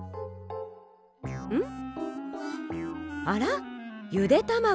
あら？